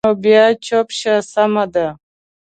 نو بیا چوپ شه، سمه ده.